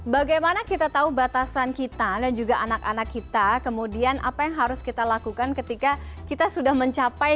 bagaimana kita tahu batasan kita dan juga anak anak kita kemudian apa yang harus kita lakukan ketika kita sudah mencapai